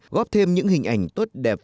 góp thêm những hình ảnh tốt đẹp